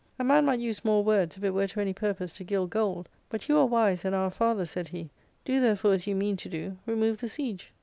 A man might use more words if it were to any purpose to gild gold;* "but you are wise and are a father," said he; " do, therefore, as you mean to do: remove the siege."